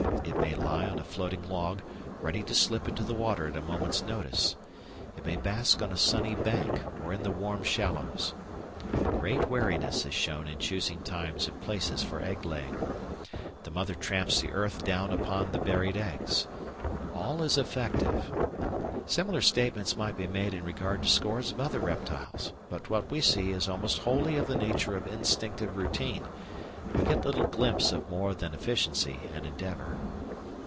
It may lie on a floating log ready to slip into the water at a moment's notice; it may bask on a sunny bank or in the warm shallows. Great wariness is shown in choosing times and places for egg laying. The mother tramps the earth down upon the buried eggs. All is effective. Similar statements might be made in regard to scores of other reptiles; but what we see is almost wholly of the nature of instinctive routine, and we get little glimpse of more than efficiency and endeavour.